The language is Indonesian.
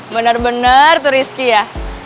benar benar terizky ya